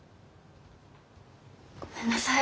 ごめんなさい